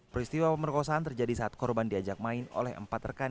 peristiwa pemerkosaan terjadi saat korban diajak main oleh empat rekan